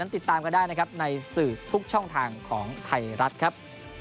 ติดตามกันได้นะครับในสื่อทุกช่องทางของไทยรัฐครับ